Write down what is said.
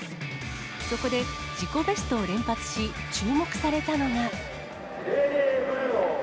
そこで自己ベストを連発し、注目されたのが。